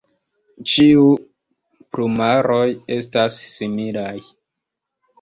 Ĉiu plumaroj estas similaj.